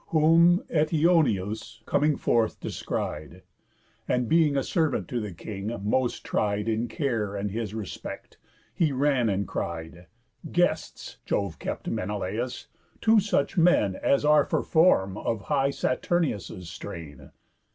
Whom Eteoneus, coming forth, descried, And, being a servant to the king, most tried In care and his respect, he ran and cried: "Guests, Jove kept Menelaus, two such men As are for form of high Saturnius' strain.